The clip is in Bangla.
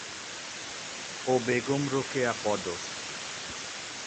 ও বেগম রোকেয়া পদক